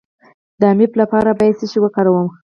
د امیب لپاره باید څه شی وکاروم؟